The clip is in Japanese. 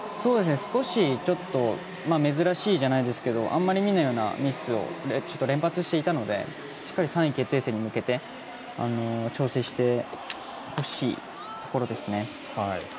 少し、ちょっと珍しいじゃないですけどあんまり見ないようなミスをちょっと連発していたのでしっかり３位決定戦に向けて調整してほしいところですね。